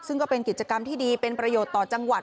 ซึ่งก็เป็นกิจกรรมที่ดีเป็นประโยชน์ต่อจังหวัด